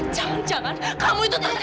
jangan jangan kamu itu terjadi